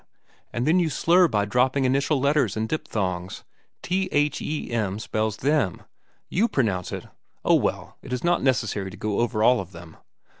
And then you slur by dropping initial letters and diphthongs. 'T h e m' spells 'them.' You pronounce it—oh, well, it is not necessary to go over all of them.